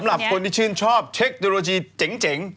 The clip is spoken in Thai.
เผ่นของที่ชื่นชอบเทคโนโลยีเจ๋งเจ๋ง